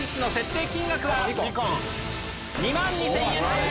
２万２０００円です。